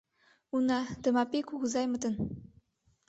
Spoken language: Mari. Уна Тымапий кугызаймытын.